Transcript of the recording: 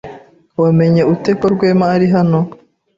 Wamenye ute ko Rwema ari hano?